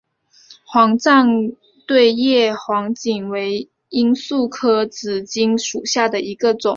西藏对叶黄堇为罂粟科紫堇属下的一个种。